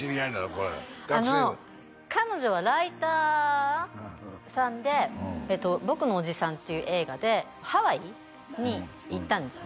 これ彼女はライターさんで「ぼくのおじさん」っていう映画でハワイに行ったんですよ